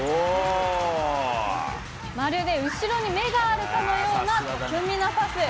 まるで後ろに目があるかのような、巧みなパス。